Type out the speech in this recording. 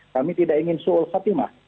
kami tidak ingin suul khotimah